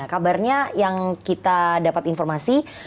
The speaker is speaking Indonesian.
kabarnya yang kita dapat informasi